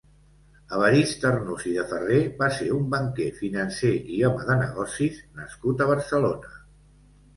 Evarist Arnús i de Ferrer va ser un banquer, financer i home de negocis nascut a Barcelona.